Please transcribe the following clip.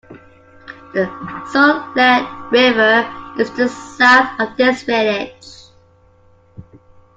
The Sutlej river is to the south of this village.